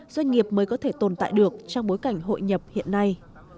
doanh nghiệp mới có thể tồn tại được trong bối cảnh hội nhập hiện nay